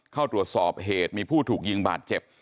เข้าตรวจสอบเหตุมีผู้ถูกยิงบาดเจ็บ